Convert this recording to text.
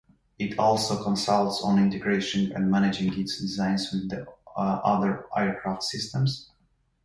It also consults on integrating and managing its designs with the other aircraft systems.